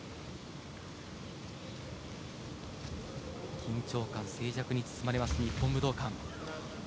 緊張感、静寂に包まれます日本武道館。